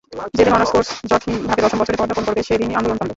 যেদিন honours course জটহীনভাবে দশম বছরে পদার্পণ করবে, সেদিনই আন্দোলন থামবে।